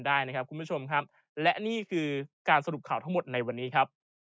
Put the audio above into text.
ได้นะครับคุณผู้ชมครับและนี่คือการสรุปข่าวทั้งหมดในวันนี้ครับ